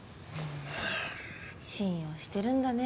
信用してるんだね